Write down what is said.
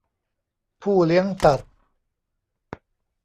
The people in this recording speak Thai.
ผู้เลี้ยงสัตว์